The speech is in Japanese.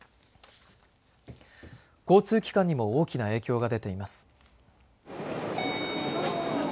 交通機関にも大きな影響が出ています。